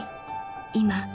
今